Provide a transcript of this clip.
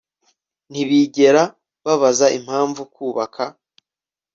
ntibigera babaza impamvu kubaka